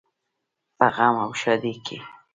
په غم او ښادۍ کې.